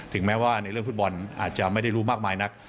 แม้ว่าในเรื่องฟุตบอลอาจจะไม่ได้รู้มากมายนัก